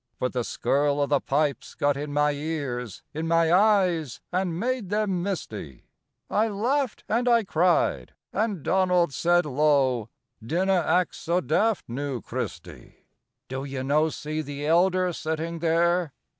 But the skirl o' the pipes got in my ears, In my eyes, and made them misty; I laughed and I cried, and Donald said low: "Dinna act so daft, noo, Christy!" "Do ye no see the elder sitting there?